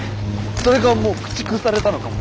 それかもう駆逐されたのかも。